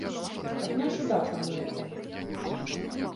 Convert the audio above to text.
Адна жуда пануе там.